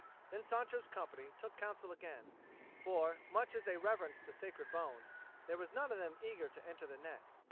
Then Sancho's company took counsel again; for, much as they reverenced the sacred bones, there was none of them eager to enter the neck.